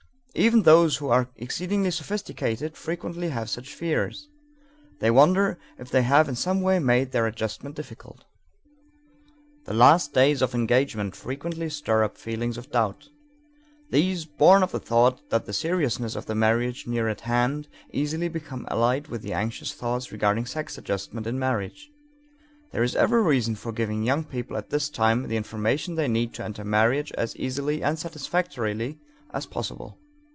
Even those who are exceedingly sophisticated frequently have such fears. They wonder if they have in some way made their adjustment difficult. The last days of engagement frequently stir up feelings of doubt. These, born of the thought of the seriousness of the marriage near at hand, easily become allied with the anxious thoughts regarding sex adjustment in marriage. There is every reason for giving young people at this time the information they need to enter marriage as easily and satisfactorily as possible.